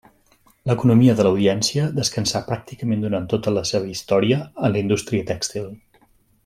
L'economia de l'audiència descansà pràcticament durant tota la seva història en la indústria tèxtil.